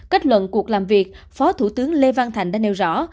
kết luận cuộc làm việc phó thủ tướng lê văn thành đã nêu rõ